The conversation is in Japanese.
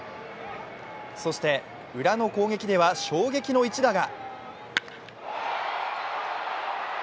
そしてウラの攻撃では衝撃の一打が。